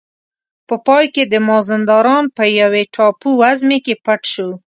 په پای کې د مازندران په یوې ټاپو وزمې کې پټ شو.